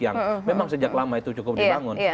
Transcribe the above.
yang memang sejak lama itu cukup dibangun